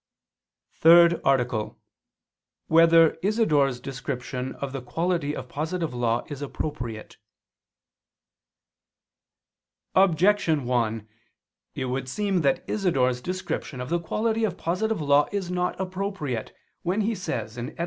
________________________ THIRD ARTICLE [I II, Q. 95, Art. 3] Whether Isidore's Description of the Quality of Positive Law Is Appropriate? Objection 1: It would seem that Isidore's description of the quality of positive law is not appropriate, when he says (Etym.